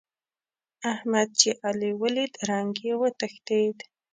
احمد چې علي وليد؛ رنګ يې وتښتېد.